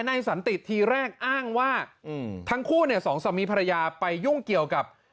สันติทีแรกอ้างว่าอืมทั้งคู่เนี่ยสองสามีภรรยาไปยุ่งเกี่ยวกับ